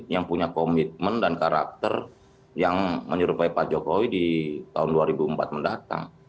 yang punya komitmen dan karakter yang menyerupai pak jokowi di tahun dua ribu empat mendatang